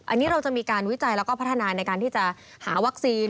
อันนี้เราจะมีการวิจัยแล้วก็พัฒนาในการที่จะหาวัคซีน